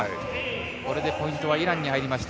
これでポイントはイランに入りました。